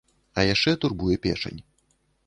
А яшчэ турбуе печань.